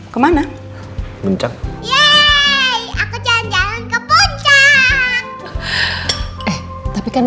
katanya gater pilih